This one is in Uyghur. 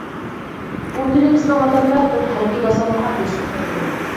ئۇ كۈنى بىزنىڭ ئادەملەر بىر ھەربىي گازارمىغا بۆسۈپ كىردى.